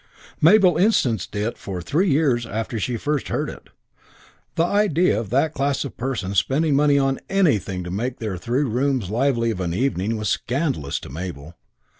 Mabel instanced it for years after she first heard it. The idea of that class of person spending money on anything to make their three rooms lively of an evening was scandalous to Mabel.